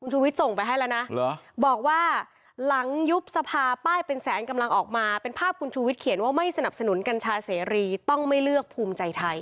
ชุวิตส่งไปให้แล้วนะบอกว่าหลังยุบสภาป้ายเป็นแสนกำลังออกมาเป็นภาพคุณชูวิทยเขียนว่าไม่สนับสนุนกัญชาเสรีต้องไม่เลือกภูมิใจไทย